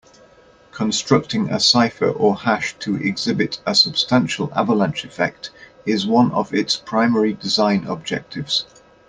Constructing a cipher or hash to exhibit a substantial avalanche effect is one of its primary design objectives.